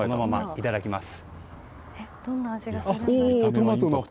いただきます。